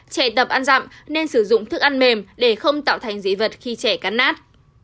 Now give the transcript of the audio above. trẻ tập ăn dặm nên sử dụng thức ăn mềm để không tạo thành dị vật khi trẻ cắn nát